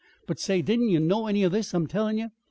But, say, didn't you know any of this I'm tellin' ye?